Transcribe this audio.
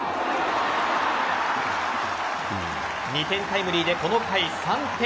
２点タイムリーでこの回３点。